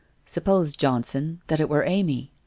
' Suppose, Johnson, that it were Amy?